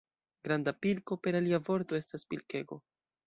Granda pilko, per alia vorto, estas pilkego.